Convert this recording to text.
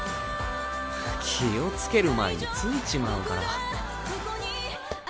気を付ける前に着いちまうから。